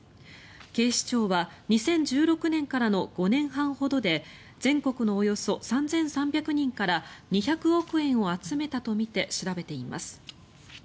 警視庁は２０１６年からの５年半ほどで全国のおよそ３３００人から２００億円を集めたとみて調べています。